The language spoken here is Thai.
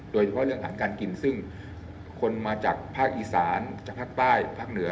โดยเฉพาะเรื่องอาหารการกินซึ่งคนมาจากภาคอีสานจากภาคใต้ภาคเหนือ